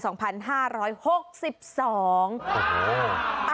โอ้โห